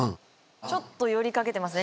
ちょっと寄りかけてますね